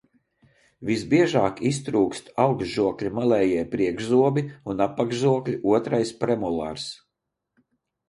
Visbiežāk iztrūkst augšžokļa malējie priekšzobi un apakšžokļa otrais premolars.